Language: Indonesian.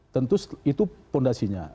tentu itu fondasinya